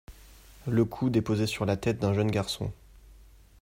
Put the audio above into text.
Le coude est posé sur la tête d'un jeune garçon.